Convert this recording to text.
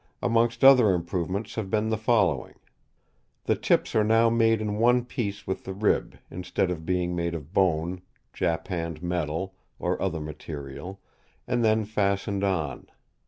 Amongst other improvements have been the following: The tips are now made in one piece with the rib, instead of being made of bone, japanned metal or other material, and then fastened on.